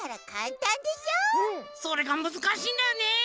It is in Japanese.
それがむずかしいんだよね。